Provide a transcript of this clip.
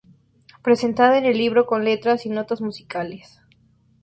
Presentada en el libro con letras y notas musicales.